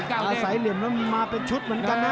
ก้าวเด้งอ่าสายเหลี่ยมมันมาเป็นชุดเหมือนกันนะ